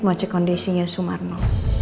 mau cek kondisinya sumarno